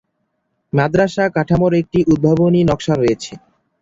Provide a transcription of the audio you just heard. মাদরাসা কাঠামোর একটি উদ্ভাবনী নকশা রয়েছে।